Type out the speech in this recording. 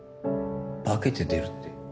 化けて出るって？